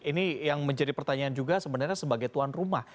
ini yang menjadi pertanyaan juga sebenarnya sebagai tuan rumah